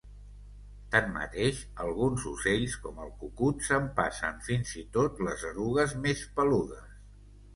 Tanmateix, alguns ocells, com el cucut, s'empassen fins i tot les erugues més peludes.